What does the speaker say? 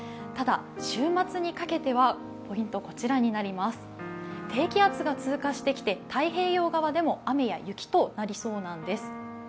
ただ、週末にかけては低気圧が通過してきて太平洋側でも雨や雪となりそうなんです。